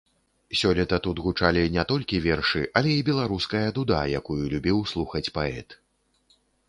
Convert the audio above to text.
Сёлета тут гучалі не толькі вершы, але і беларуская дуда, якую любіў слухаць паэт.